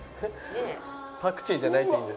パクチーじゃないといいな。